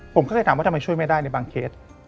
ผมก็เลยถามว่าทำไมช่วยไม่ได้ในบางเคส